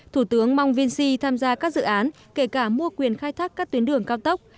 thủ tướng mong vinsi tham gia các dự án kể cả mua quyền khai thác các tuyến đường cao tốc